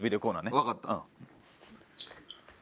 わかった。